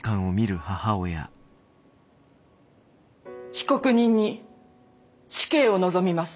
被告人に死刑を望みます。